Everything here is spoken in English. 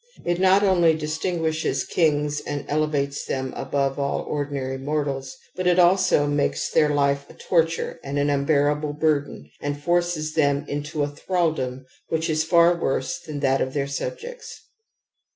It not only distinguishes kings and elevates them above all ordinary mortals, but it also makes their life a torture and an unbearable burden and forces them into a thraldom which is far worse than that of their subjects.